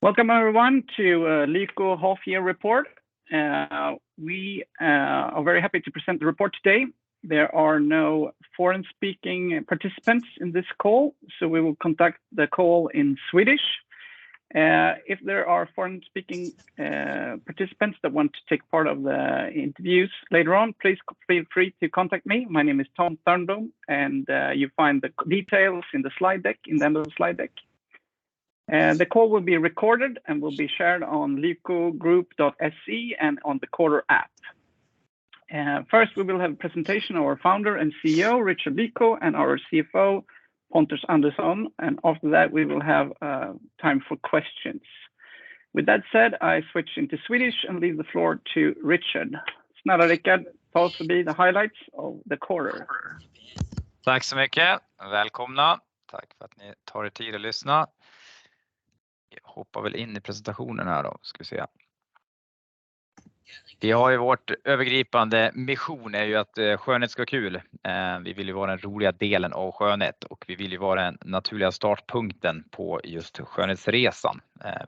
Welcome everyone to Lyko Half-Year Report. We are very happy to present the report today. There are no foreign speaking participants in this call, so we will conduct the call in Swedish. If there are foreign speaking participants that want to take part of the interviews later on, please feel free to contact me. My name is Tom Thörnblom, and you find the details in the slide deck, in the end of the slide deck. The call will be recorded and will be shared on lykogroup.se and on the Quartr app. First, we will have a presentation of our Founder and CEO, Rickard Lyko, and our CFO, Pontus Andersson, and after that, we will have time for questions. With that said, I switch into Swedish and leave the floor to Rickard. Snälla Rickard, tell us about the highlights of the quarter. Tack så mycket. Välkomna! Tack för att ni tar er tid att lyssna. Jag hoppar väl in i presentationen här då, ska vi se. Vi har ju vårt övergripande mission är ju att skönhet ska vara kul. Vi vill ju vara den roliga delen av skönhet och vi vill ju vara den naturliga startpunkten på just skönhetsresan.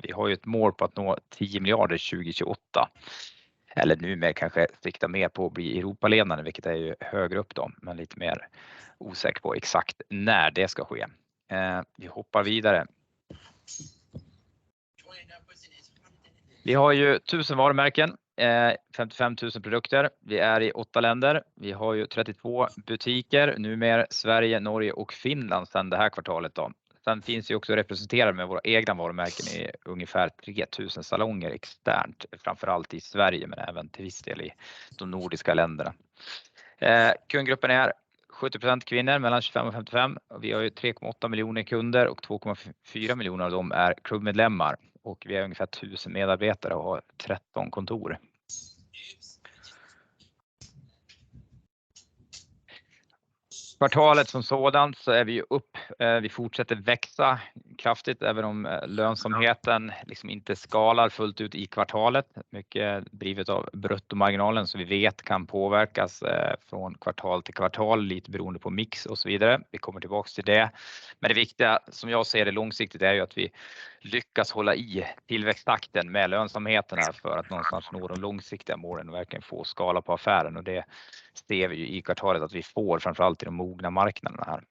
Vi har ju ett mål på att nå 10 miljarder 2028, eller numera kanske sikta mer på att bli Europaledande, vilket är ju högre upp då, men lite mer osäker på exakt när det ska ske. Vi hoppar vidare. Vi har ju 1,000 varumärken, 55,000 produkter. Vi är i 8 länder. Vi har ju 32 butiker, numer Sverige, Norge och Finland sedan det här kvartalet då. Vi finns också representerade med våra egna varumärken i ungefär 3,000 salonger externt, framför allt i Sverige, men även till viss del i de nordiska länderna. Kundgruppen är 70% kvinnor mellan 25 och 55. Vi har ju 3.8 million kunder, 2.4 million av dem är klubbmedlemmar. Vi har ungefär 1,000 medarbetare och har 13 kontor. Kvartalet som sådant är vi ju upp. Vi fortsätter växa kraftigt, även om lönsamheten liksom inte skalar fullt ut i kvartalet. Mycket drivet av bruttomarginalen, vi vet, kan påverkas från kvartal till kvartal, lite beroende på mix och så vidare. Det viktiga, som jag ser det långsiktigt, är ju att vi lyckas hålla i tillväxttakten med lönsamheten för att någonstans nå de långsiktiga målen och verkligen få skala på affären. Det ser vi ju i kvartalet att vi får, framför allt i de mogna marknaderna här.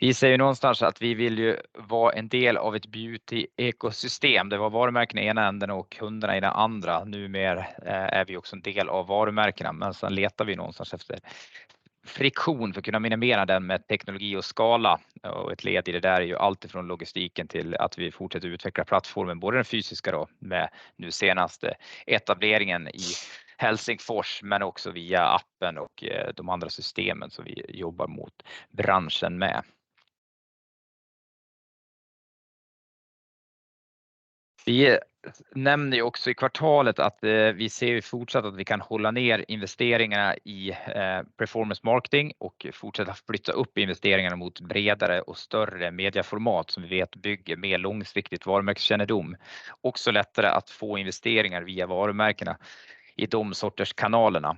Vi säger någonstans att vi vill ju vara en del av ett beauty-ekosystem, det var varumärken i ena änden och kunderna i den andra. Numer är vi också en del av varumärkena, sen letar vi någonstans efter friktion för att kunna minimera den med teknologi och skala. Ett led i det där är ju allt ifrån logistiken till att vi fortsätter utveckla plattformen, både den fysiska då, med nu senaste etableringen i Helsingfors, också via appen och de andra systemen som vi jobbar mot branschen med. Vi nämner ju också i kvartalet att vi ser ju fortsatt att vi kan hålla ner investeringarna i performance marketing och fortsätta flytta upp investeringarna mot bredare och större mediaformat som vi vet bygger mer långsiktigt varumärkeskännedom. Också lättare att få investeringar via varumärkena i de sorters kanalerna.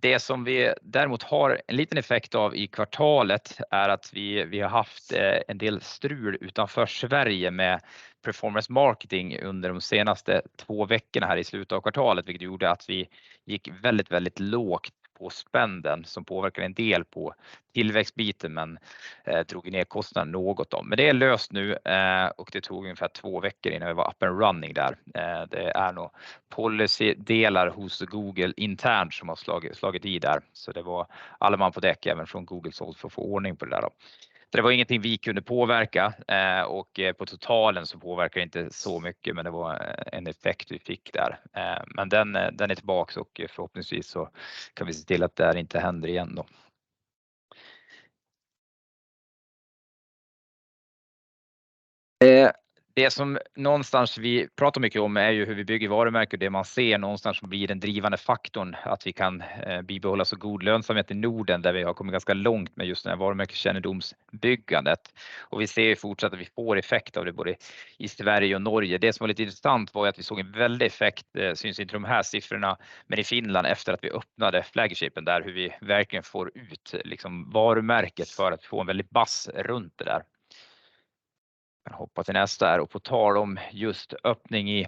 Det som vi däremot har en liten effekt av i kvartalet är att vi har haft en del strul utanför Sverige med performance marketing under de senaste 2 veckorna här i slutet av kvartalet, vilket gjorde att vi gick väldigt lågt på spenden, som påverkade en del på tillväxtbiten, men drog ner kostnaden något då. Det är löst nu, och det tog ungefär 2 veckor innan vi var up and running där. Det är nog policydelar hos Google internt som har slagit i där. Det var alle man på däck, även från Google, så för att få ordning på det där då. Det var ingenting vi kunde påverka, och på totalen så påverkar det inte så mycket, men det var en effekt vi fick där. Den är tillbaka och förhoppningsvis så kan vi se till att det här inte händer igen då. Det som någonstans vi pratar mycket om är ju hur vi bygger varumärke. Det man ser någonstans som blir den drivande faktorn, att vi kan bibehålla så god lönsamhet i Norden, där vi har kommit ganska långt med just det här varumärkeskännedombyggandet. Vi ser fortsatt att vi får effekt av det, både i Sverige och Norge. Det som var lite intressant var att vi såg en väldig effekt, syns inte i de här siffrorna, men i Finland, efter att vi öppnade flagshipen där, hur vi verkligen får ut liksom varumärket för att få en väldig bass runt det där. Kan hoppa till nästa här. På tal om just öppning i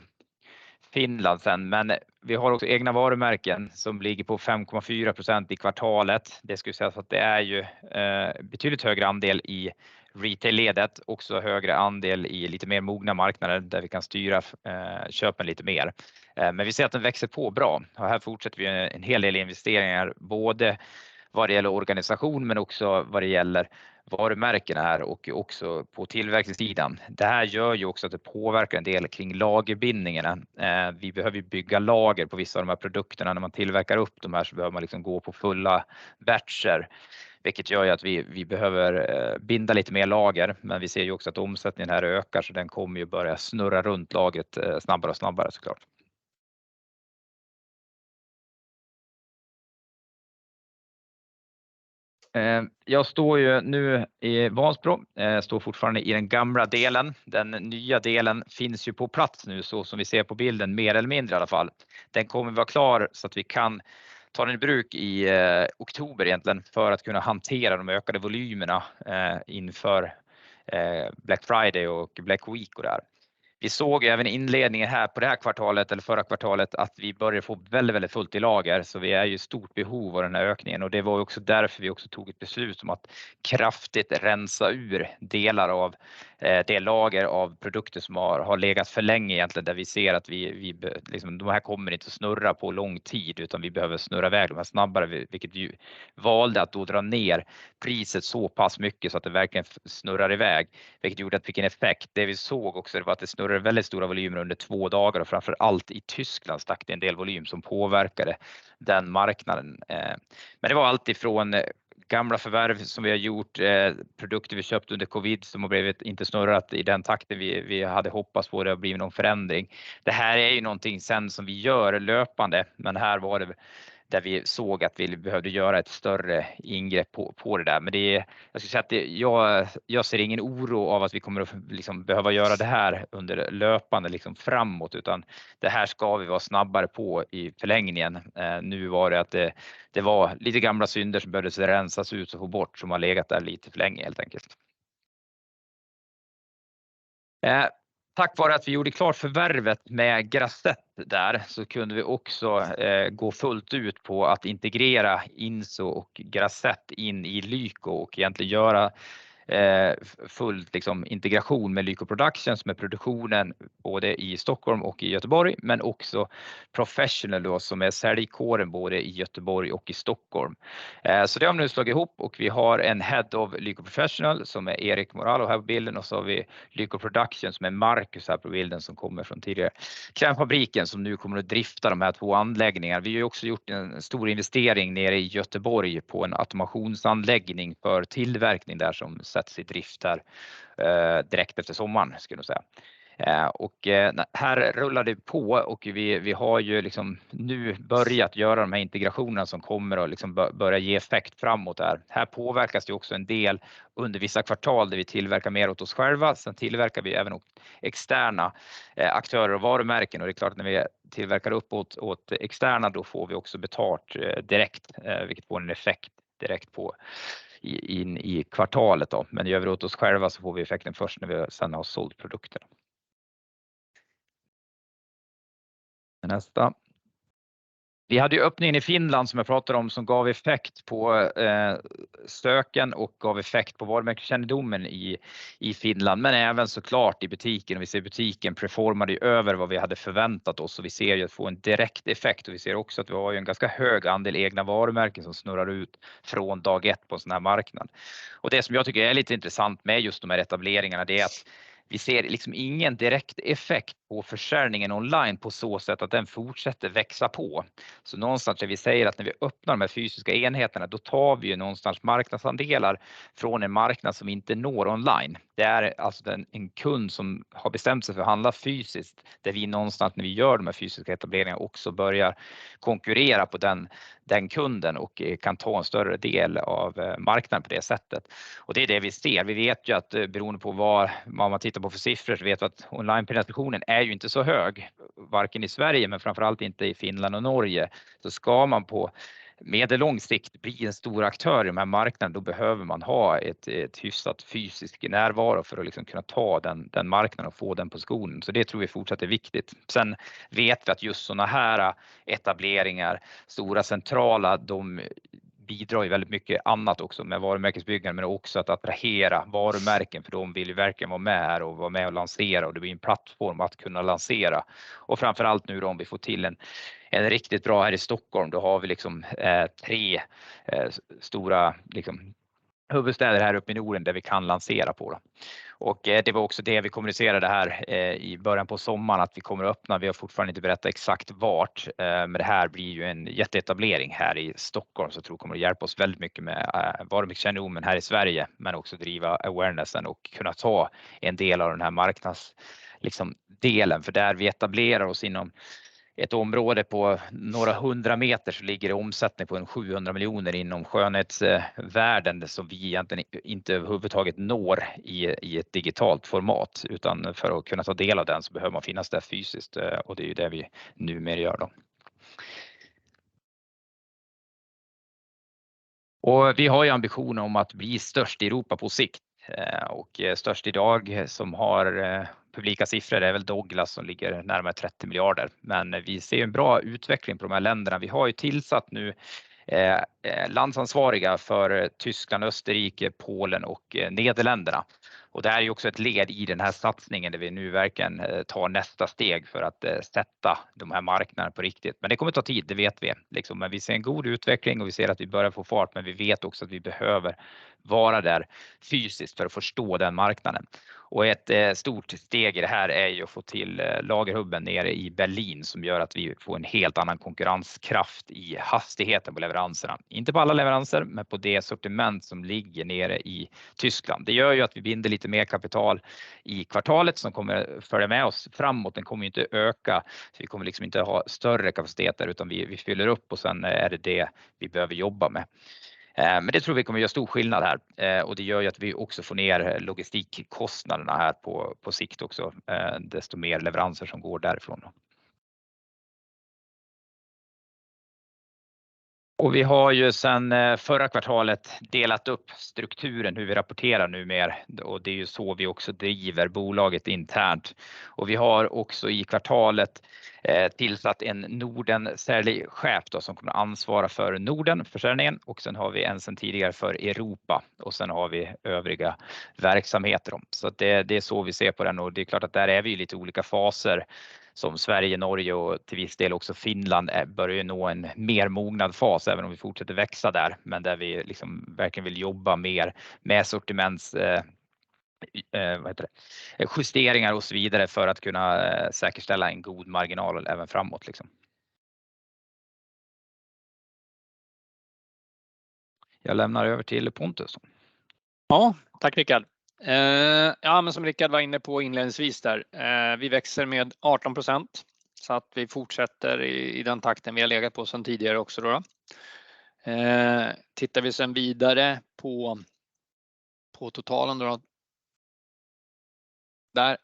Finland sedan, men vi har också egna varumärken som ligger på 5.4% i kvartalet. Det ska ju sägas att det är ju betydligt högre andel i retail-ledet, också högre andel i lite mer mogna marknader, där vi kan styra köpen lite mer. Vi ser att den växer på bra och här fortsätter vi en hel del investeringar, både vad det gäller organisation, men också vad det gäller varumärkena här och också på tillväxtsidan. Det här gör ju också att det påverkar en del kring lagerbindningarna. Vi behöver bygga lager på vissa av de här produkterna. När man tillverkar upp de här så behöver man liksom gå på fulla batcher, vilket gör att vi behöver binda lite mer lager, men vi ser ju också att omsättningen här ökar, så den kommer att börja snurra runt lagret, snabbare och snabbare så klart. Jag står ju nu i Vansbro, jag står fortfarande i den gamla delen. Den nya delen finns ju på plats nu, så som vi ser på bilden, mer eller mindre i alla fall. Den kommer att vara klar så att vi kan ta den i bruk i oktober egentligen för att kunna hantera de ökade volymerna inför Black Friday och Black Week och det här. Vi såg även inledningen här på det här kvartalet eller förra kvartalet, att vi började få väldigt fullt i lager. Vi är i stort behov av den här ökningen och det var också därför vi också tog ett beslut om att kraftigt rensa ur delar av det lager av produkter som har legat för länge egentligen, där vi ser att vi, de här kommer inte att snurra på lång tid, utan vi behöver snurra i väg de här snabbare, vilket vi valde att då dra ner priset så pass mycket så att det verkligen snurrar i väg, vilket gjorde att det fick en effekt. Det vi såg också, det var att det snurrade väldigt stora volymer under two dagar och framför allt i Tyskland stack det en del volym som påverkade den marknaden. Det var alltifrån gamla förvärv som vi har gjort, produkter vi köpte under COVID som har blivit inte snurrat i den takten vi hade hoppats på att det har blivit någon förändring. Det här är ju någonting sedan som vi gör löpande, här var det där vi såg att vi behövde göra ett större ingrepp på det där. Jag skulle säga att jag ser ingen oro av att vi kommer att liksom behöva göra det här under löpande framåt, utan det här ska vi vara snabbare på i förlängningen. Det var att det var lite gamla synder som behövde rensas ut och få bort, som har legat där lite för länge, helt enkelt. Tack vare att vi gjorde klart förvärvet med Grazette där, kunde vi också gå fullt ut på att integrera INZO och Grazette in i Lyko och egentligen göra fullt, liksom integration med Lyko Production, med produktionen både i Stockholm och i Göteborg, men också Lyko Professional då, som är säljkåren, både i Göteborg och i Stockholm. Det har nu slagit ihop och vi har en Head of Lyko Professional som är Erik Moralo här på bilden. Det har vi Lyko Production med Markus här på bilden, som kommer från tidigare Krämfabriken, som nu kommer att drifta de här två anläggningarna. Vi har också gjort en stor investering nere i Göteborg på en automationsanläggning för tillverkning där som sätts i drift där, direkt efter sommaren skulle jag säga. Här rullar det på och vi har ju liksom nu börjat göra de här integrationerna som kommer att liksom börja ge effekt framåt där. Här påverkas det också en del under vissa kvartal där vi tillverkar mer åt oss själva. Vi tillverkar även åt externa aktörer och varumärken. Det är klart, när vi tillverkar uppåt åt externa, då får vi också betalt direkt, vilket får en effekt direkt på, in i kvartalet då. Gör vi det åt oss själva så får vi effekten först när vi sedan har sålt produkterna. Nästa. Vi hade öppningen i Finland som jag pratade om, som gav effekt på söken och gav effekt på varumärkeskännedomen i Finland, men även så klart i butiken. Vi ser butiken performade över vad vi hade förväntat oss och vi ser ju att få en direkt effekt. Vi ser också att vi har en ganska hög andel egna varumärken som snurrar ut från dag ett på en sådan här marknad. Det som jag tycker är lite intressant med just de här etableringarna, det är att vi ser liksom ingen direkt effekt på försäljningen online på så sätt att den fortsätter växa på. Någonstans där vi säger att när vi öppnar de här fysiska enheterna, då tar vi ju någonstans marknadsandelar från en marknad som vi inte når online. Det är alltså en kund som har bestämt sig för att handla fysiskt, där vi någonstans när vi gör de här fysiska etableringarna också börjar konkurrera på den kunden och kan ta en större del av marknaden på det sättet. Det är det vi ser. Vi vet ju att beroende på var, vad man tittar på för siffror, så vet vi att online-penetrationen är ju inte så hög, varken i Sverige, men framför allt inte i Finland och Norge. Ska man på medel-lång sikt bli en stor aktör i den här marknaden, då behöver man ha ett hyfsat fysiskt närvaro för att kunna ta den marknaden och få den på skalan. Det tror vi fortsatt är viktigt. Vet vi att just sådana här etableringar, stora centrala, de bidrar ju väldigt mycket annat också med varumärkesbyggande, men också att attrahera varumärken, för de vill verkligen vara med här och vara med och lansera. Det blir en plattform att kunna lansera. Framför allt nu då, om vi får till en riktigt bra här i Stockholm, då har vi liksom tre stora, liksom huvudstäder här uppe i Norden där vi kan lansera på. Det var också det vi kommunicerade här i början på sommaren, att vi kommer att öppna. Vi har fortfarande inte berättat exakt vart, men det här blir ju en jätteetablering här i Stockholm. Jag tror det kommer att hjälpa oss väldigt mycket med varumärkeskännedomen här i Sverige, men också driva awarenessen och kunna ta en del av den här marknads, liksom delen. För där vi etablerar oss inom ett område på några 100 meter, så ligger det omsättning på en 700 million inom skönhetsvärlden, som vi egentligen inte överhuvudtaget når i ett digitalt format, utan för att kunna ta del av den så behöver man finnas där fysiskt och det är ju det vi numera gör då. Vi har ju ambitionen om att bli störst i Europa på sikt och störst i dag som har publika siffror, det är väl Douglas som ligger närmare 30 billion. Vi ser en bra utveckling på de här länderna. Vi har ju tillsatt nu landsansvariga för Tyskland, Österrike, Polen och Nederländerna. Det här är också ett led i den här satsningen, där vi nu verkligen tar nästa steg för att sätta de här marknaderna på riktigt. Det kommer ta tid, det vet vi. Vi ser en god utveckling och vi ser att vi börja få fart, men vi vet också att vi behöver vara där fysiskt för att förstå den marknaden. Ett stort steg i det här är ju att få till lagerhubben nere i Berlin, som gör att vi får en helt annan konkurrenskraft i hastigheten på leveranserna. Inte på alla leveranser, men på det sortiment som ligger nere i Tyskland. Det gör ju att vi binder lite mer kapital i kvartalet som kommer att följa med oss framåt. Den kommer inte öka, så vi kommer inte att ha större kapacitet, utan vi fyller upp och sedan är det det vi behöver jobba med. Det tror vi kommer att göra stor skillnad här, och det gör ju att vi också får ner logistikkostnaderna här på sikt också, desto mer leveranser som går därifrån då. Vi har ju sedan förra kvartalet delat upp strukturen hur vi rapporterar numer och det är ju så vi också driver bolaget internt. Vi har också i kvartalet tillsatt en Norden säljchef då, som kommer att ansvara för Norden försäljningen och sen har vi en sedan tidigare för Europa och sen har vi övriga verksamheter då. Det är så vi ser på den och det är klart att där är vi i lite olika faser som Sverige, Norge och till viss del också Finland, bör ju nå en mer mognad fas, även om vi fortsätter växa där. Där vi liksom verkligen vill jobba mer med sortiments justeringar och så vidare för att kunna säkerställa en god marginal även framåt liksom. Jag lämnar över till Pontus. Tack, Rickard. Som Rickard var inne på inledningsvis där, vi växer med 18% så att vi fortsätter i den takten vi har legat på sedan tidigare också då. Tittar vi sedan vidare på totalen då. Där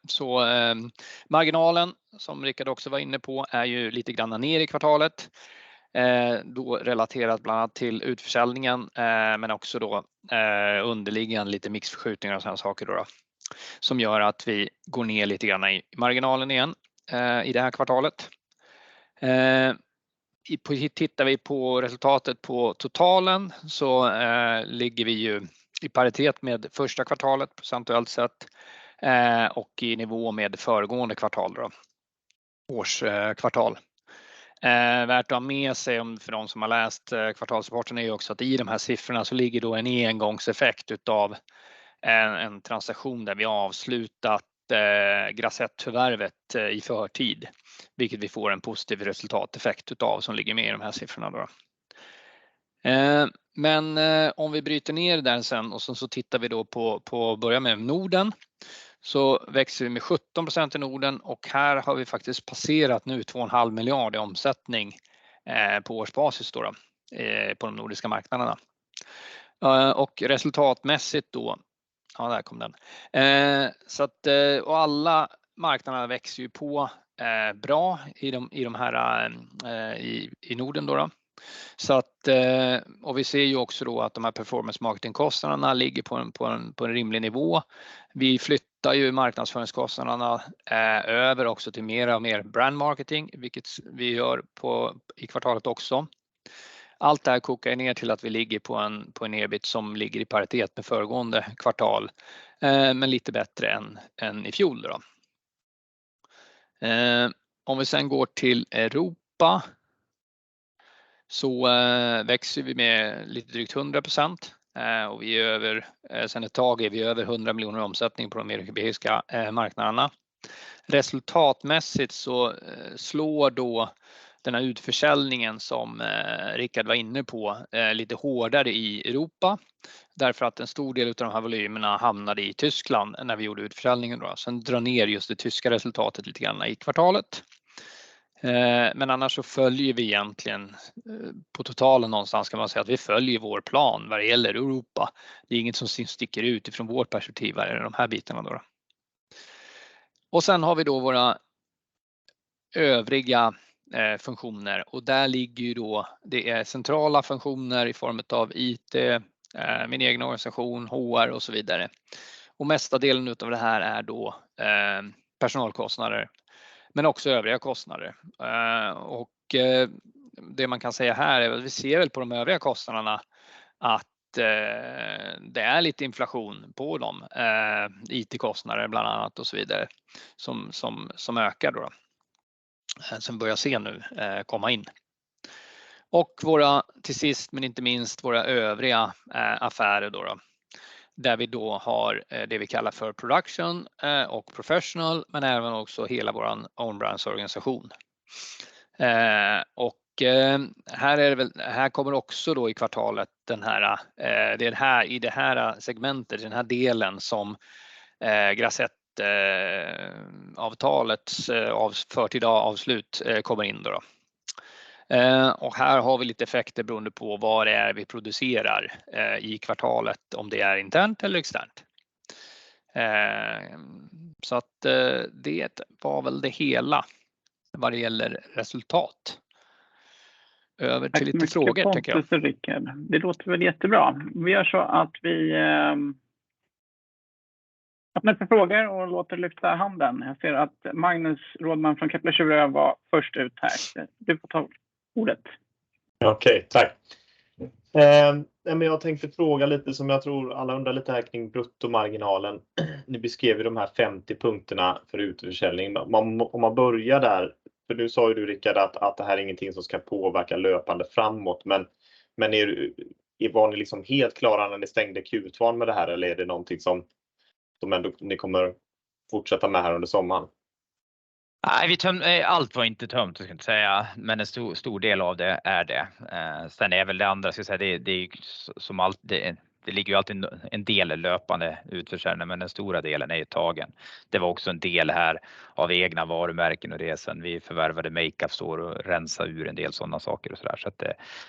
marginalen, som Rickard också var inne på, är ju lite granna ner i kvartalet, då relaterat bland annat till utförsäljningen, men också då underliggande lite mix förskjutningar och sådana saker då, som gör att vi går ner lite granna i marginalen igen i det här kvartalet. Tittar vi på resultatet på totalen, ligger vi ju i paritet med 1st kvartalet procentuellt sett och i nivå med föregående kvartal då, årskvartal. Värt att ha med sig för de som har läst kvartalsrapporten är ju också att i de här siffrorna så ligger då en engångseffekt utav en transaktion där vi har avslutat Grazette's förvärvet i förtid, vilket vi får en positiv resultateffekt utav som ligger med i de här siffrorna då. Om vi bryter ner den sedan och så tittar vi då på att börja med Norden, så växer vi med 17% i Norden och här har vi faktiskt passerat nu 2.5 billion i omsättning på årsbasis då, på de nordiska marknaderna. Resultatmässigt då, ja, där kom den. Alla marknaderna växer ju på bra i de här i Norden då. Vi ser också att de här performance marketing kostnaderna ligger på en rimlig nivå. Vi flyttar marknadsföringskostnaderna över också till mera och mer brand marketing, vilket vi gör i kvartalet också. Allt det här kokar ner till att vi ligger på en EBIT som ligger i paritet med föregående kvartal, men lite bättre än i fjol. Om vi sedan går till Europe, växer vi med lite drygt 100%. Och sedan ett tag är vi över 100 million omsättning på de European markets. Resultatmässigt slår denna utförsäljningen som Rickard var inne på, lite hårdare i Europe. En stor del av de här volymerna hamnade i Germany när vi gjorde utförsäljningen. Drar ner just det German resultatet lite grann i kvartalet. Annars så följer vi egentligen på totalen någonstans kan man säga att vi följer vår plan vad det gäller Europa. Det är inget som sticker utifrån vårt perspektiv, de här bitarna då. Sen har vi då våra övriga funktioner och där ligger ju då, det är centrala funktioner i form utav IT, min egen organisation, HR och så vidare. Mesta delen av det här är då personalkostnader, men också övriga kostnader. Det man kan säga här är att vi ser väl på de övriga kostnaderna att det är lite inflation på dem, IT-kostnader, bland annat och så vidare, som ökar då. Som börjar se nu komma in. Våra, till sist men inte minst, våra övriga affärer då då. Där vi då har det vi kallar för Production och Professional, men även också hela vår own brands organisation. Här är det väl, här kommer också då i kvartalet, den här, det är här i det här segmentet, i den här delen som Grazette-avtalets förtida avslut kommer in då. Här har vi lite effekter beroende på vad det är vi producerar, i kvartalet, om det är internt eller externt. Det var väl det hela vad det gäller resultat. Över till lite frågor tänker jag. Tack Rickard. Det låter väl jättebra. Vi gör så att vi öppnar för frågor och låter lyfta handen. Jag ser att Magnus Råman från Kepler Cheuvreux var först ut här. Du får ta ordet. Okej, tack! Jag tänkte fråga lite som jag tror alla undrar lite här kring bruttomarginalen. Ni beskrev ju de här 50 punkterna för utförsäljningen. Om man börjar där, för nu sa ju du, Rickard, att det här är ingenting som ska påverka löpande framåt, men var ni liksom helt klara när ni stängde Q2 med det här eller är det någonting som ändå ni kommer fortsätta med här under sommaren? Nej, vi tömde. Allt var inte tömt, ska inte säga, men en stor del av det är det. Det andra, ska jag säga, det är som alltid, det ligger alltid en del löpande utförsäljning, men den stora delen är ju tagen. Det var också en del här av egna varumärken, och det är sen vi förvärvade makeup står och rensa ur en del sådana saker och sådär.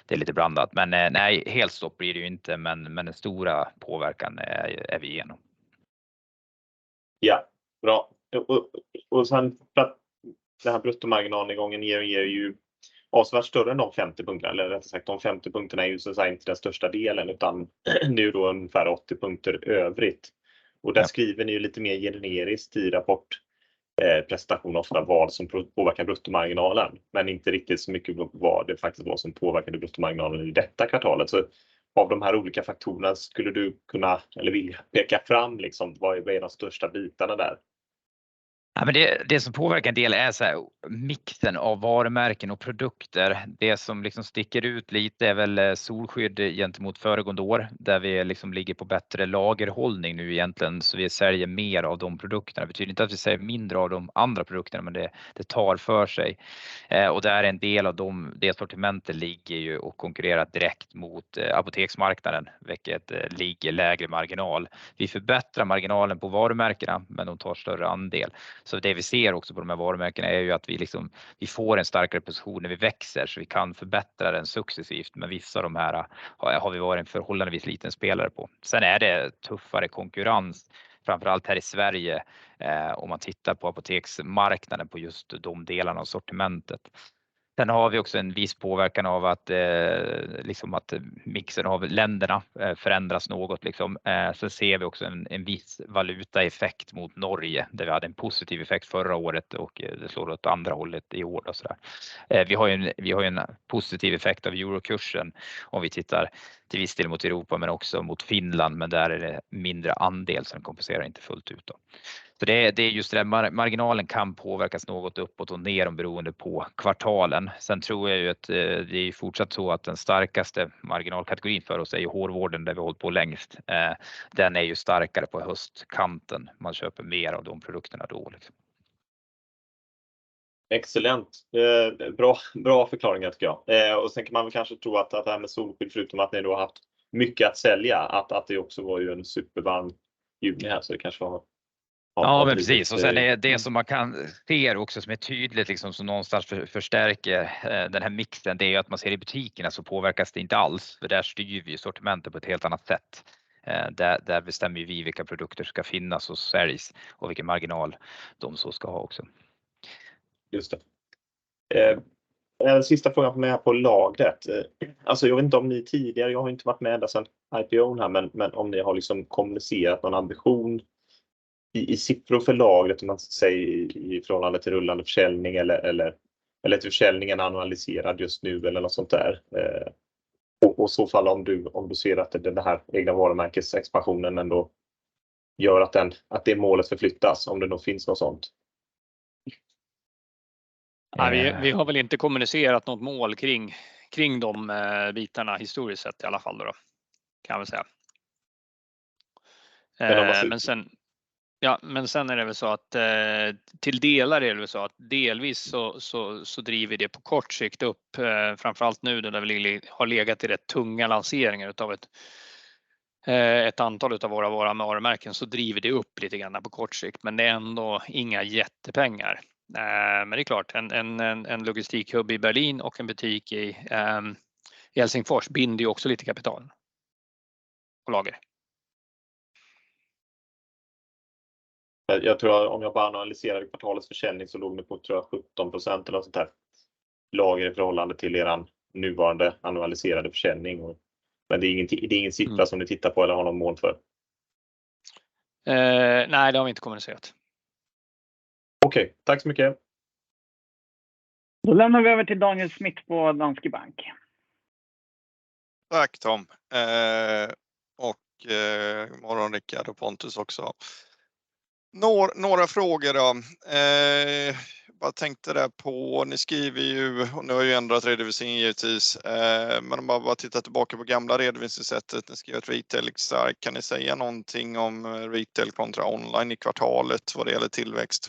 Det är lite blandat. Nej, helt stopp blir det ju inte, men den stora påverkan är vi igenom. Ja, bra. Sen det här bruttomarginal igången ger ju avsevärt större än de 50 punkterna. Eller rätt sagt, de 50 punkterna är ju så att säga inte den största delen, utan det är ju då ungefär 80 punkter övrigt. Där skriver ni ju lite mer generiskt i rapport, presentation ofta vad som påverkar bruttomarginalen, men inte riktigt så mycket vad det faktiskt var som påverkade bruttomarginalen i detta kvartalet. Av de här olika faktorerna skulle du kunna eller vilja peka fram, liksom, vad är de största bitarna där? Men det som påverkar en del är såhär mixen av varumärken och produkter. Det som liksom sticker ut lite är väl solskydd gentemot föregående år, där vi liksom ligger på bättre lagerhållning nu egentligen, så vi säljer mer av de produkterna. Det betyder inte att vi säljer mindre av de andra produkterna, men det tar för sig. Det är en del av det sortimentet ligger ju och konkurrerar direkt mot apoteksmarknaden, vilket ligger lägre marginal. Vi förbättrar marginalen på varumärkena, men de tar större andel. Det vi ser också på de här varumärkena är ju att vi liksom, vi får en starkare position när vi växer, så vi kan förbättra den successivt. Vissa av de här har vi varit en förhållandevis liten spelare på. Det är tuffare konkurrens, framför allt här i Sverige, om man tittar på apoteksmarknaden på just de delarna av sortimentet. Vi har också en viss påverkan av att, liksom att mixen av länderna förändras något, liksom. Vi ser också en viss valutaeffekt mot Norge, där vi hade en positiv effekt förra året och det slår åt andra hållet i år och sådär. Vi har ju en positiv effekt av eurokursen om vi tittar till viss del mot Europa, men också mot Finland, men där är det mindre andel så den kompenserar inte fullt ut då. Det är just det, marginalen kan påverkas något uppåt och ner om beroende på kvartalen. Jag tror ju att det är fortsatt så att den starkaste marginalkategorin för oss är ju hårvården, där vi har hållit på längst. Den är ju starkare på höstkanten. Man köper mer av de produkterna dåligt. Excellent! Bra förklaring helt klart. Sen kan man väl kanske tro att det här med solskydd, förutom att ni då haft mycket att sälja, att det också var ju en supervarm juni här, så det kanske var. Ja, men precis. Sen det som man kan se också, som är tydligt, liksom som någonstans förstärker den här mixen, det är att man ser i butikerna så påverkas det inte alls. Där styr vi ju sortimentet på ett helt annat sätt. Där bestämmer vi vilka produkter ska finnas och säljs och vilken marginal de så ska ha också. Just det. Sista frågan på lagret. Alltså, jag vet inte om ni tidigare, jag har inte varit med sedan IPO här, men om ni har liksom kommunicerat någon ambition i siffror för lagret, om man säger i förhållande till rullande försäljning eller till försäljningen analyserad just nu eller något sådant där. I så fall, om du ser att det här egna varumärkets expansionen ändå gör att det målet förflyttas, om det då finns något sådant. Vi har väl inte kommunicerat något mål kring de bitarna historiskt sett i alla fall då, kan jag väl säga. Sen, ja, sen är det väl så att till delar är det väl så att delvis så driver det på kort sikt upp, framför allt nu, när vi har legat i rätt tunga lanseringar utav ett antal av våra varumärken, så driver det upp lite grann på kort sikt, men det är ändå inga jättepengar. Det är klart, en logistikhub i Berlin och en butik i Helsingfors binder ju också lite kapital på lager. Jag tror om jag bara analyserar kvartalets försäljning så låg det på tror jag 17% eller något sånt här. Lager i förhållande till eran nuvarande analyserade försäljning. Det är inget, det är ingen siffra som ni tittar på eller har något mål för? Nej, det har vi inte kommunicerat. Okay, tack så mycket! Då lämnar vi över till Daniel Schmidt på Danske Bank. Tack Tom! Morgon Rickard och Pontus också. Några frågor då. Jag tänkte det på, ni skriver ju, och nu har ju ändrat redovisningen givetvis, men om man bara tittar tillbaka på gamla redovisningssättet, ni skriver ett retail. Kan ni säga någonting om retail kontra online i kvartalet vad det gäller tillväxt?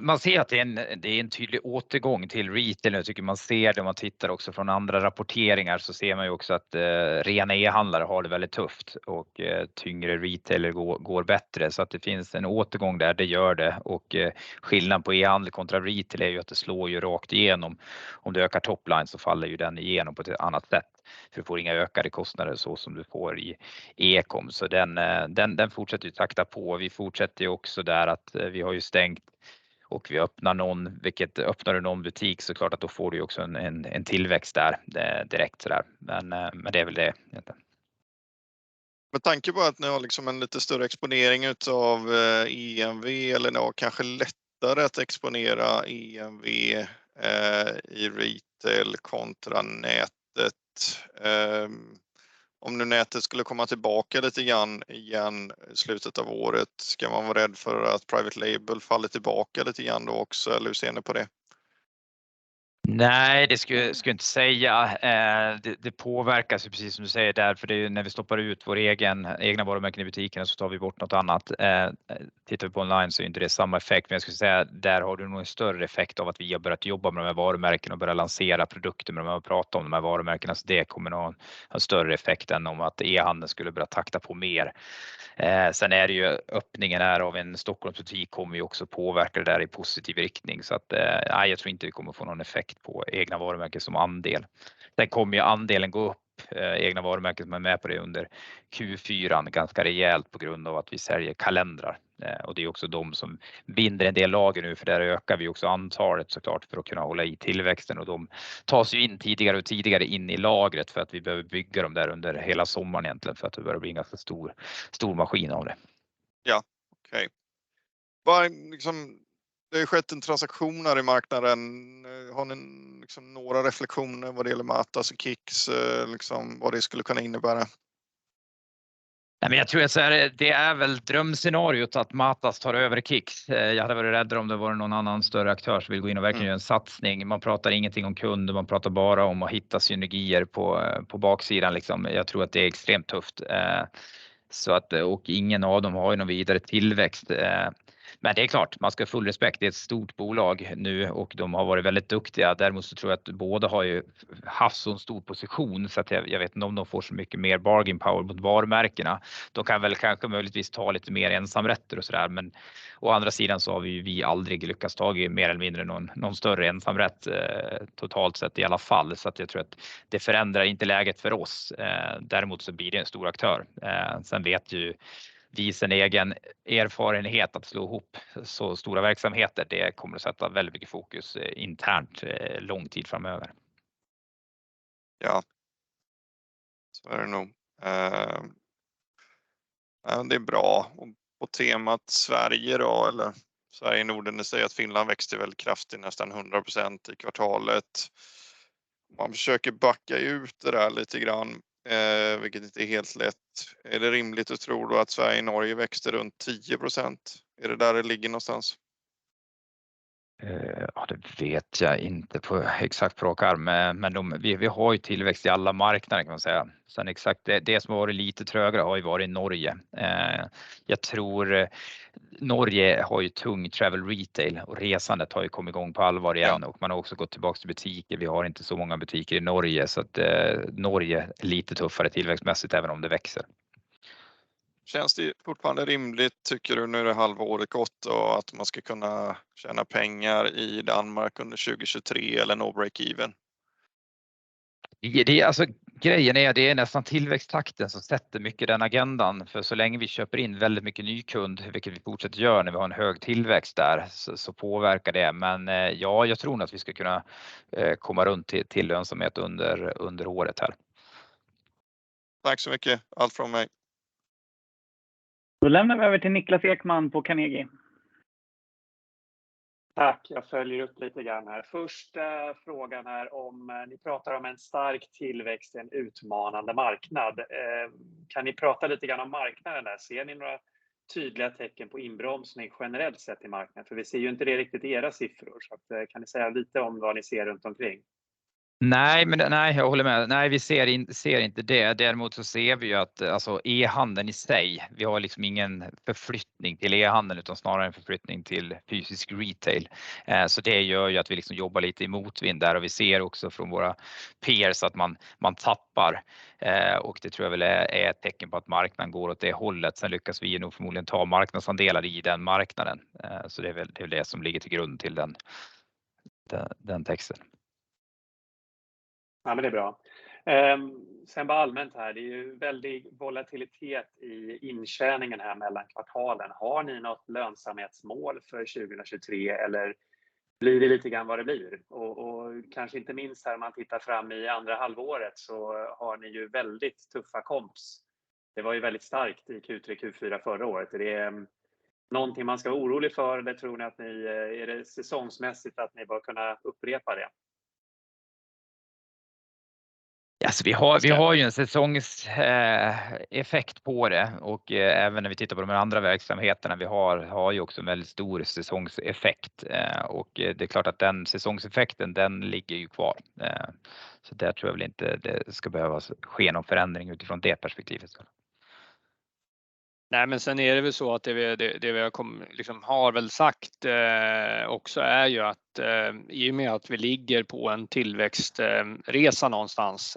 Man ser att det är en tydlig återgång till retail. Jag tycker man ser det om man tittar också från andra rapporteringar så ser man ju också att rena e-handlare har det väldigt tufft och tyngre retailer går bättre. Det finns en återgång där, det gör det. Skillnad på e-handel kontra retail är ju att det slår ju rakt igenom. Om du ökar top line så faller ju den igenom på ett annat sätt. Du får inga ökade kostnader så som du får i e-com. Den fortsätter ju takta på. Vi fortsätter ju också där att vi har ju stängt och vi öppnar någon, vilket öppnar du någon butik, så klart att då får du också en tillväxt där direkt. Det är väl det. Med tanke på att ni har liksom en lite större exponering utav EMV eller ni har kanske lättare att exponera EMV i retail kontra nätet. Om nu nätet skulle komma tillbaka lite grann igen i slutet av året, ska man vara rädd för att private label faller tillbaka lite grann då också? Hur ser ni på det? Nej, det skulle jag inte säga. Det påverkas ju precis som du säger där, för det när vi stoppar ut vår egen, egna own brands i butikerna så tar vi bort något annat. Tittar vi på online så är inte det samma effekt, men jag skulle säga, där har du nog en större effekt av att vi har börjat jobba med de här varumärkena och börja lansera produkter med de här och prata om de här varumärkena. Det kommer att ha en större effekt än om att e-com skulle börja takta på mer. Sen är det ju öppningen här av en Stockholm store kommer ju också påverka det där i positiva riktning. Nej, jag tror inte vi kommer att få någon effekt på own brands som andel. Det kommer ju andelen gå upp, egna varumärken som är med på det under Q4 ganska rejält på grund av att vi säljer kalendrar. Det är också de som binder en del lager nu, för där ökar vi också antalet så klart för att kunna hålla i tillväxten och de tas ju in tidigare och tidigare in i lagret för att vi behöver bygga de där under hela sommaren egentligen för att det börjar bli en ganska stor maskin av det. Ja, okej. Vad, liksom, det har skett en transaktion här i marknaden. Har ni liksom några reflektioner vad det gäller Matas och KICKS, liksom, vad det skulle kunna innebära? Jag tror att det är väl drömscenariot att Matas tar över Kicks. Jag hade varit rädd om det var någon annan större aktör som vill gå in och verkligen göra en satsning. Man pratar ingenting om kund, man pratar bara om att hitta synergier på baksidan, liksom. Jag tror att det är extremt tufft. Ingen av dem har ju någon vidare tillväxt. Det är klart, man ska ha full respekt, det är ett stort bolag nu och de har varit väldigt duktiga. Jag tror att både har ju haft en stor position, så att jag vet inte om de får så mycket mer bargain power mot varumärkena. De kan väl kanske möjligtvis ta lite mer ensamrätter och sådär, men å andra sidan så har vi ju aldrig lyckats ta mer eller mindre någon större ensamrätt, totalt sett i alla fall. Jag tror att det förändrar inte läget för oss. Däremot blir det en stor aktör. Vet ju vi sen egen erfarenhet att slå ihop så stora verksamheter, det kommer att sätta väldigt mycket fokus internt, lång tid framöver. Ja, så är det nog. Det är bra. På temat Sverige då, eller Sverige, Norden, ni säger att Finland växte väldigt kraftigt, nästan 100% i kvartalet. Man försöker backa ut det där lite grann, vilket inte är helt lätt. Är det rimligt att tro då att Sverige och Norge växte runt 10%? Är det där det ligger någonstans? Det vet jag inte på exakt prick arm, men vi har ju tillväxt i alla marknader kan man säga. Exakt det som har varit lite trögare har ju varit Norge. Norge har ju tung travel retail och resandet har ju kommit i gång på allvar igen och man har också gått tillbaka till butiker. Vi har inte så många butiker i Norge. Norge är lite tuffare tillväxtmässigt, även om det växer. Känns det fortfarande rimligt, tycker du, nu är det halvåret gott och att man ska kunna tjäna pengar i Danmark under 2023 eller nå break even? Det, alltså, grejen är, det är nästan tillväxttakten som sätter mycket den agendan. Så länge vi köper in väldigt mycket ny kund, vilket vi fortsätter gör när vi har en hög tillväxt där, så påverkar det. Ja, jag tror nog att vi ska kunna komma runt till lönsamhet under året här. Tack så mycket, allt från mig. Lämnar vi över till Niklas Ekman på Carnegie. Tack, jag följer upp lite grann här. Första frågan är om ni pratar om en stark tillväxt i en utmanande marknad. Kan ni prata lite grann om marknaden där? Ser ni några tydliga tecken på inbromsning generellt sett i marknaden? För vi ser ju inte det riktigt i era siffror. Kan ni säga lite om vad ni ser runt omkring. Nej, men nej, jag håller med. Nej, vi ser inte det. Däremot ser vi ju att e-handen i sig, vi har liksom ingen förflyttning till e-handen, utan snarare en förflyttning till fysisk retail. Det gör ju att vi jobbar lite i motvind där och vi ser också från våra peers att man tappar och det tror jag väl är ett tecken på att marknaden går åt det hållet. Lyckas vi nog förmodligen ta marknadsandelar i den marknaden. Det är väl det som ligger till grund till den texten. Ja, men det är bra. Bara allmänt här, det är ju väldig volatilitet i intjäningen här mellan kvartalen. Har ni något lönsamhetsmål för 2023 eller blir det lite grann vad det blir? Kanske inte minst här, om man tittar fram i andra halvåret, så har ni ju väldigt tuffa comps. Det var ju väldigt starkt i Q3, Q4 förra året. Är det någonting man ska vara orolig för? Tror ni att ni, är det säsongsmässigt att ni bara kunna upprepa det? Vi har ju en säsongseffekt på det och även när vi tittar på de andra verksamheterna, vi har ju också en väldigt stor säsongseffekt och det är klart att den säsongseffekten, den ligger ju kvar. Där tror jag väl inte det ska behöva ske någon förändring utifrån det perspektivet. Sen är det väl så att det vi har väl sagt också är ju att i och med att vi ligger på en tillväxtresa någonstans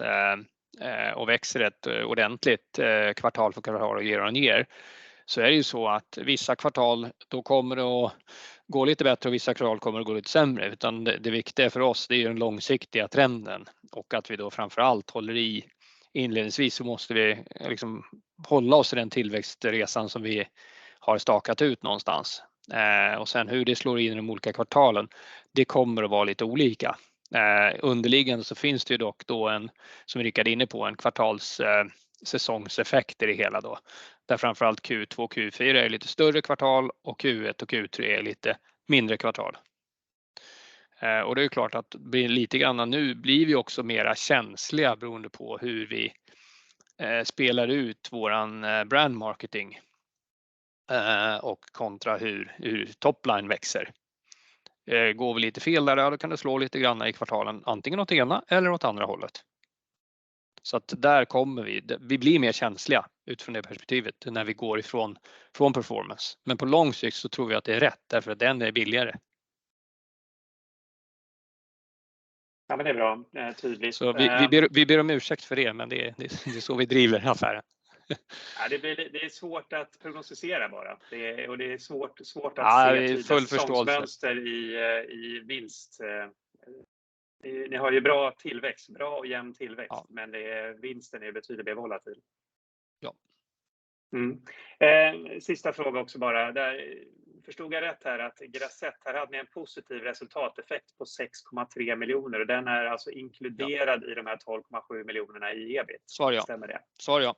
och växer ett ordentligt kvartal för kvartal och år och ner, så är det ju så att vissa kvartal, då kommer det att gå lite bättre och vissa kvartal kommer att gå lite sämre, utan det viktiga för oss, det är den långsiktiga trenden och att vi då framför allt håller i. Inledningsvis måste vi liksom hålla oss i den tillväxtresan som vi har stakat ut någonstans. Sedan hur det slår in i de olika kvartalen, det kommer att vara lite olika. Underliggande finns det dock då en, som Rickard är inne på, en kvartals säsongseffekt i det hela då. Framför allt Q2, Q4 är lite större kvartal och Q1 och Q3 är lite mindre kvartal. Det är klart att bli lite granna, nu blir vi också mera känsliga beroende på hur vi spelar ut våran brand marketing, och kontra hur top line växer. Går vi lite fel där, då kan det slå lite granna i kvartalen, antingen åt ena eller åt andra hållet. Där kommer vi blir mer känsliga utifrån det perspektivet när vi går ifrån performance. På lång sikt så tror vi att det är rätt, därför att den är billigare. Ja, men det är bra, tydligt. Vi ber om ursäkt för det, men det är så vi driver affären. Ja, det är svårt att prognostisera bara. Det är svårt. Ja, det är full förståelse. Mönster i vinst. Ni har ju bra tillväxt, bra och jämn tillväxt, men det är vinsten är betydligt mer volatil. Ja. Sista fråga också bara. Förstod jag rätt här att Grazette här hade en positiv resultateffekt på 6.3 million och den är alltså inkluderad i de här 12.7 million i EBIT? Sorry ja.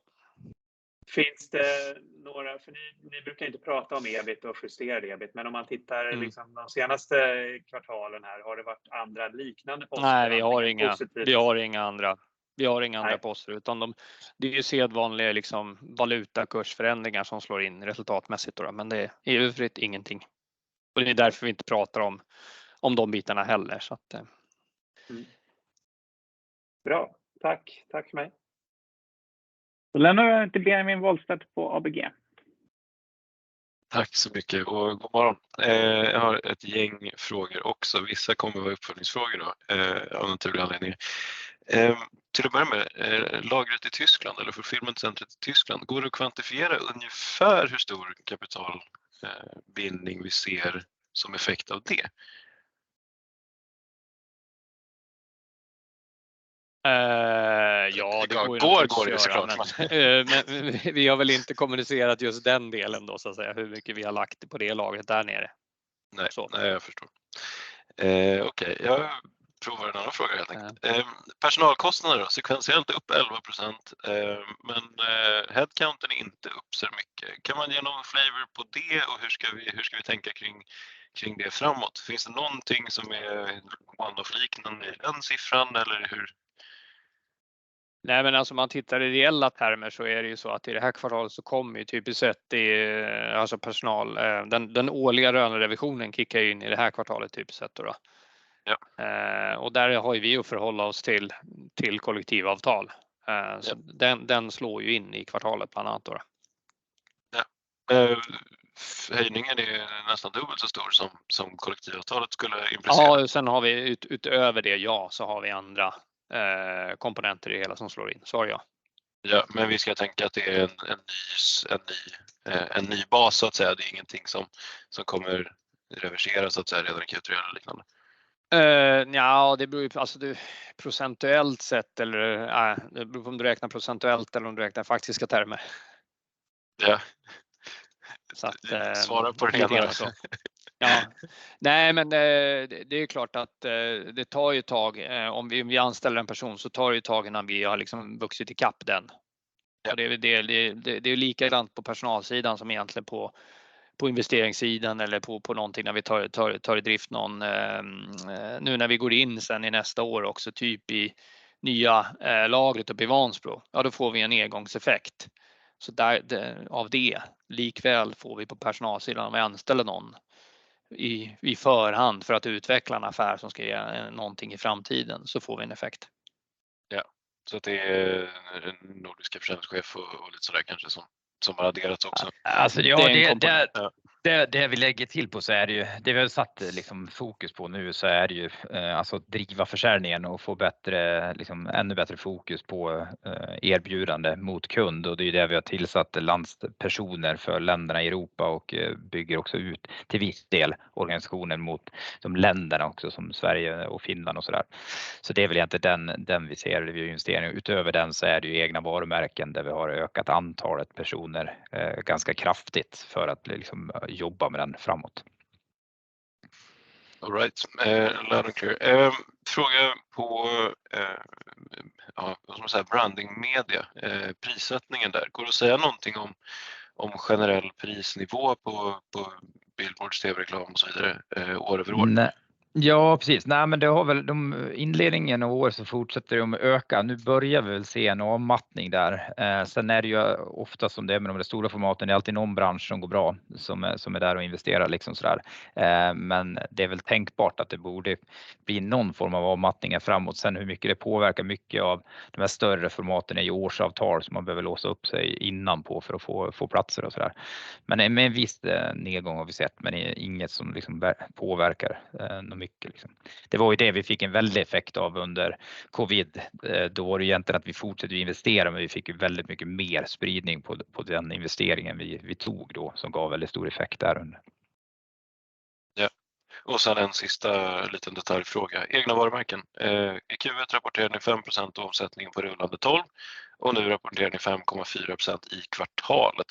Finns det några, för ni brukar inte prata om EBIT och justerad EBIT, men om man tittar liksom de senaste kvartalen här, har det varit andra liknande? Vi har inga andra. Vi har inga andra poster, utan det är ju sedvanliga, liksom valutakursförändringar som slår in resultatmässigt då, men det är i övrigt ingenting. Det är därför vi inte pratar om de bitarna heller. Bra, tack för mig. Då lämnar jag till Benjamin Wahlstedt på ABG. Tack så mycket och god morgon! Jag har ett gäng frågor också. Vissa kommer att vara uppföljningsfrågor då, av naturlig anledning. Till att börja med, lagret i Tyskland eller fulfillmentcentret i Tyskland. Går det att kvantifiera ungefär hur stor kapitalbindning vi ser som effekt av det? Ja, det går ju att göra. Vi har väl inte kommunicerat just den delen då så att säga, hur mycket vi har lagt på det lagret där nere. Nej, nej, jag förstår. Okej, jag provar en annan fråga helt enkelt. Personalkostnader då, sekventiellt upp 11%, men headcounten är inte upp så mycket. Kan man ge någon flavor på det och hur ska vi tänka kring det framåt? Finns det någonting som är ovanligt och liknande i den siffran eller hur? Nej, om man tittar i reella termer så är det ju så att i det här kvartalet så kommer ju typiskt sett det, alltså personal, den årliga lönerevisionen kickar ju in i det här kvartalet typiskt sett då då. Ja. Där har ju vi att förhålla oss till kollektivavtal. Den slår ju in i kvartalet bland annat då. Höjningen är ju nästan dubbelt så stor som kollektivavtalet skulle implicera. Har vi utöver det, ja, så har vi andra komponenter i det hela som slår in. Sorry ja. Vi ska tänka att det är en ny bas så att säga. Det är ingenting som kommer reverseras så att säga redan Q3 eller liknande? Nja, det beror ju på, alltså det procentuellt sett eller? Det beror på om du räknar procentuellt eller om du räknar faktiska termer. Ja. Att svara på det. Nej, men det är klart att det tar ju ett tag. Om vi anställer en person så tar det ett tag innan vi har liksom vuxit i kapp den. Det är ju det är ju likadant på personalsidan som egentligen på investeringssidan eller på någonting när vi tar i drift någon... När vi går in sen i nästa år också, typ i nya lagret upp i Vansbro, ja, då får vi en nedgångseffekt. Så där, av det. Likväl får vi på personalsidan om vi anställer någon i förhand för att utveckla en affär som ska ge någonting i framtiden, så får vi en effekt. Ja, det är den nordiska försäljningschef och lite sådär kanske som har adderats också. Det vi lägger till på så är det ju, det vi har satt liksom fokus på nu så är det ju, att driva försäljningen och få bättre, liksom ännu bättre fokus på erbjudande mot kund. Det är det vi har tillsatt landspersoner för länderna i Europa och bygger också ut till viss del organisationen mot de länderna också, som Sverige och Finland och sådär. Det är väl egentligen den vi ser det vid justering. Utöver den så är det ju egna varumärken, där vi har ökat antalet personer ganska kraftigt för att liksom jobba med den framåt. Alright, loud and clear. Fråga på, ja vad ska man säga, branding media, prissättningen där. Går det att säga någonting om generell prisnivå på billboard, tv-reklam och så vidare, år över år? Precis. Det har väl de inledningen av år så fortsätter de att öka. Nu börjar vi väl se en avmattning där. Det är ju ofta som det är med de stora formaten, det är alltid någon bransch som går bra, som är där och investerar liksom sådär. Det är väl tänkbart att det borde bli någon form av avmattningar framåt. Hur mycket det påverkar mycket av de här större formaten i årsavtal som man behöver låsa upp sig innan på för att få platser och sådär. Med en viss nedgång har vi sett, men det är inget som liksom påverkar något mycket. Det var ju det vi fick en väldig effekt av under COVID. Var det egentligen att vi fortsatte investera, men vi fick väldigt mycket mer spridning på den investeringen vi tog då, som gav väldigt stor effekt där under. Ja, sen en sista liten detaljfråga. Egna varumärken. I Q1 rapporterade ni 5% av omsättningen på rullande tolv och nu rapporterar ni 5.4% i kvartalet.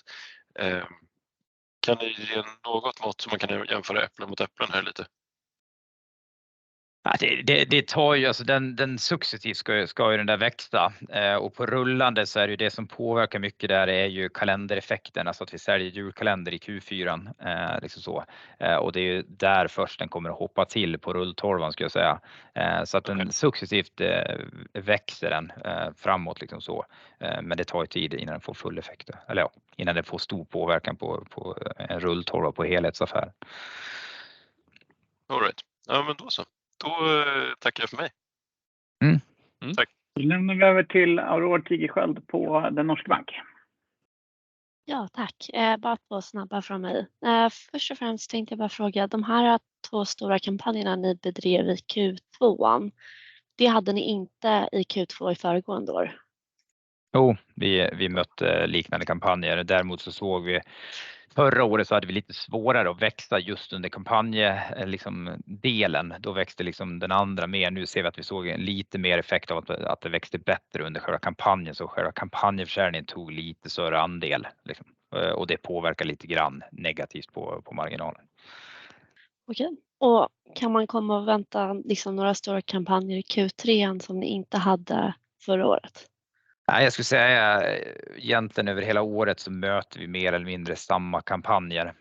Kan du ge något mått så man kan jämföra äpplen mot äpplen här lite? Det tar ju, alltså den successivt ska ju den där växa. På rullande så är det ju det som påverkar mycket där är ju kalendereffekten, alltså att vi säljer julkalender i Q4, liksom så. Det är ju där först den kommer att hoppa till på rulltolvan ska jag säga. Den successivt växer den framåt, liksom så. Det tar ju tid innan den får full effekt då. Ja, innan den får stor påverkan på en rulltolva på helhetsaffär. Alright. Ja, men då så. Tackar jag för mig. Mm. Tack! Då lämnar vi över till Aurore Tigerschiöld på DNB Markets. Ja, tack! Bara 2 snabba från mig. Först och främst tänkte jag bara fråga, de här 2 stora kampanjerna ni bedrev i Q2, det hade ni inte i Q2 i föregående år? Vi mötte liknande kampanjer. Däremot såg vi förra året så hade vi lite svårare att växa just under kampanj, liksom, delen. Då växte liksom den andra mer. Nu ser vi att vi såg lite mer effekt av att det växte bättre under själva kampanjen. Själva kampanjförsäljningen tog lite större andel, liksom, och det påverkar lite grann negativt på marginalen. Okej, kan man komma och vänta, liksom, några stora kampanjer i Q3 som ni inte hade förra året? Nej, jag skulle säga egentligen över hela året så möter vi mer eller mindre samma kampanjer.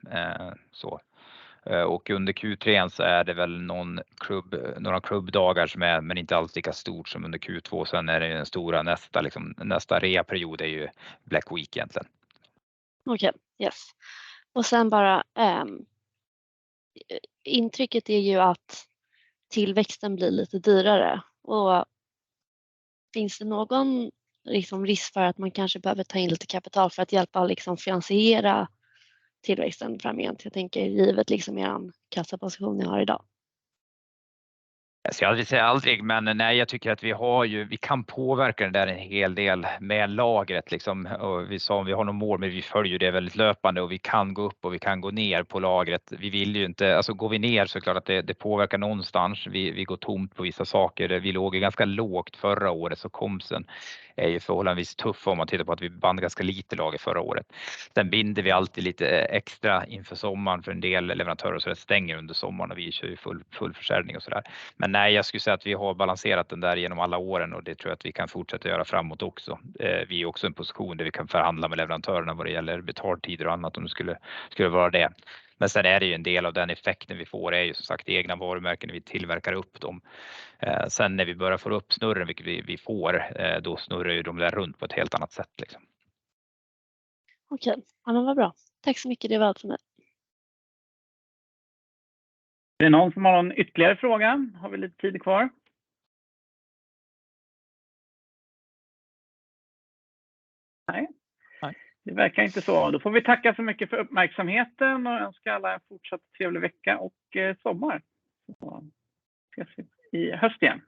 Under Q3 så är det väl någon klubb, några klubbdagar som är, men inte alls lika stort som under Q2. Det är den stora nästa, liksom, nästa rea period är ju Black Week egentligen. Okej, yes. Sen bara, intrycket är ju att tillväxten blir lite dyrare och finns det någon, liksom, risk för att man kanske behöver ta in lite kapital för att hjälpa, liksom, finansiera tillväxten framgent? Jag tänker givet, liksom, eran kassaposition ni har i dag. Jag ska aldrig säga aldrig. Nej, jag tycker att vi har ju, vi kan påverka det där en hel del med lagret, liksom. Vi sa om vi har något mål. Vi följer det väldigt löpande. Vi kan gå upp och vi kan gå ner på lagret. Vi vill ju inte. Alltså, går vi ner, klart att det påverkar någonstans. Vi går tomt på vissa saker. Vi låg ganska lågt förra året. Komsen är ju förhållandevis tuff om man tittar på att vi band ganska lite lager förra året. Binder vi alltid lite extra inför sommaren för en del leverantörer. Det stänger under sommaren. Vi kör ju full försäljning och sådär. Nej, jag skulle säga att vi har balanserat den där igenom alla åren. Det tror jag att vi kan fortsätta göra framåt också. Vi är också en position där vi kan förhandla med leverantörerna vad det gäller betaltider och annat om det skulle vara det. Sen är det ju en del av den effekten vi får är ju som sagt, egna varumärken när vi tillverkar upp dem. När vi börja får upp snurren, vilket vi får, då snurrar ju de där runt på ett helt annat sätt, liksom. Okej, vad bra. Tack så mycket, det var allt för mig. Är det någon som har någon ytterligare fråga? Har vi lite tid kvar? Nej, det verkar inte så. Får vi tacka så mycket för uppmärksamheten och önska alla fortsatt trevlig vecka och sommar. Ses vi i höst igen.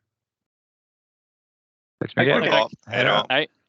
Tack så mycket. Hej då! Hej!